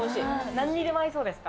何にでも合いそうですか？